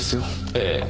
ええ。